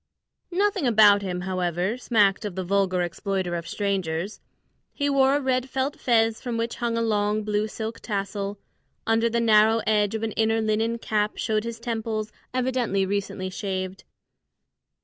Nothing about him, however, smacked of the vulgar exploiter of strangers. He wore a red felt fez from which hung a long blue silk tassel; under the narrow edge of an inner linen cap showed his temples, evidently recently shaved.